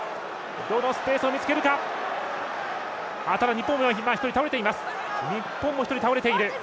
日本も１人倒れています。